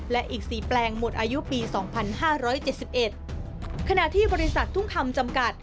และอีกสี่แปลงหมดอายุปีสองพันห้าร้อยเจ็ดสิบเอ็ดขณะที่บริษัททุ่งคำจำกัด